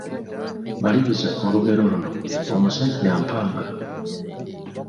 Maliriza olugero luno: Omusajja mpanga, …..